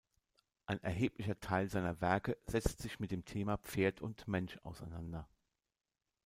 Ein erheblicher Teil seiner Werke setzt sich mit dem Thema „Pferd und Mensch“ auseinander.